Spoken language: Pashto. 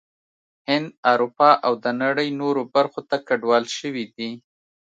هند، اروپا او د نړۍ نورو برخو ته کډوال شوي دي